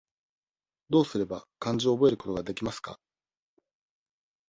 どうすれば、漢字を覚えることができますか。